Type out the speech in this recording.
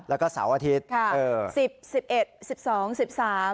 แล้วก็เสาร์อาทิตย์